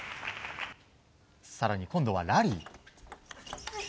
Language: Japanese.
更に、今度はラリー。